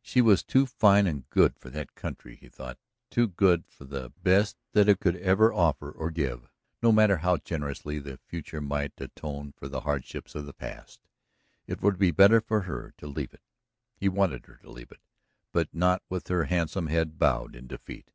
She was too fine and good for that country, he thought, too good for the best that it ever could offer or give, no matter how generously the future might atone for the hardships of the past. It would be better for her to leave it, he wanted her to leave it, but not with her handsome head bowed in defeat.